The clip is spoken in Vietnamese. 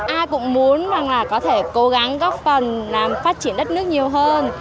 ai cũng muốn là có thể cố gắng góp phần làm phát triển đất nước nhiều hơn